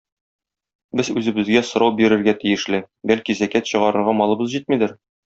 Без үзебезгә сорау бирергә тиешле: бәлки, зәкят чыгарырга малыбыз җитмидер?